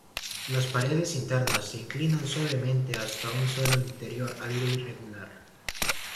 Las paredes internas se inclinan suavemente hasta un suelo interior algo irregular.